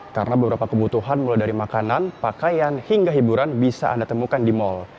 karena beberapa kebutuhan mulai dari makanan pakaian hingga hiburan bisa anda temukan di mal